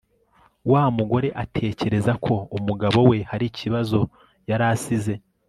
wa mugore atekereza ko umugabo we hari ikibazo yari asize